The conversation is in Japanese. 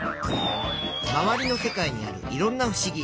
まわりの世界にあるいろんなふしぎ。